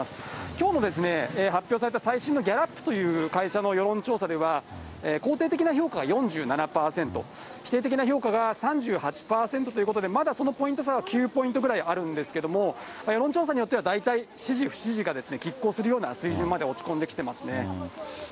きょうも発表された最新のギャラップという会社の世論調査では、肯定的な評価は４７％、否定的な評価が３８％ということで、まだそのポイント差は９ポイントぐらいあるんですけれども、世論調査によっては大体、支持、不支持がきっ抗するような水準まで落ち込んできてますね。